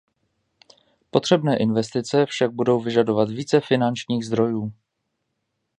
Potřebné investice však budou vyžadovat více finančních zdrojů.